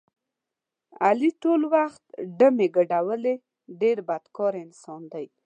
علي ټول وخت ډمې ګډولې ډېر بدکاره انسان دی.